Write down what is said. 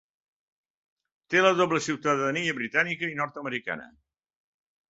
Té la doble ciutadania britànica i nord-americana.